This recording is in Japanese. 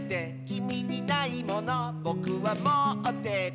「きみにないものぼくはもってて」